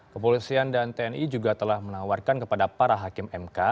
kepolisian dan tni juga telah menawarkan kepada para hakim mk